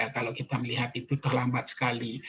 kalau kita melihat itu terlambat sekali